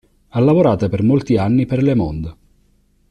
Ha lavorato per molti anni per Le Monde.